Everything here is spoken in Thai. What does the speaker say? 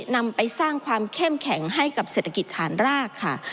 นำไปสร้างความเข้มแข็งให้กับเศรษฐกิจฐานรากค่ะ